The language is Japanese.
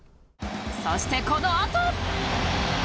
そしてこのあと